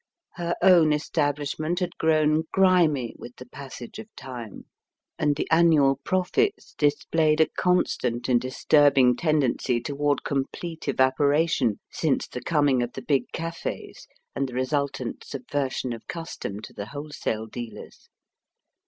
Her own establishment had grown grimy with the passage of time, and the annual profits displayed a constant and disturbing tendency toward complete evaporation, since the coming of the big cafés, and the resultant subversion of custom to the wholesale dealers.